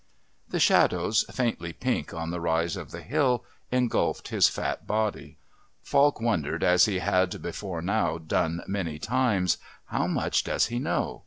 The shadows, faintly pink on the rise of the hill, engulfed his fat body. Falk wondered as he had before now done many times, How much does he know?